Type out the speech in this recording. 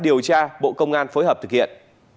điều tra bộ công an phối hợp thực hiện